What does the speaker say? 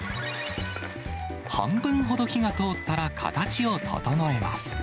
半分ほど火が通ったら、形を整えます。